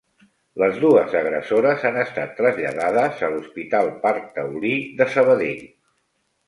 Les dues agressores han estat traslladades a l'Hospital Parc Taulí de Sabadell.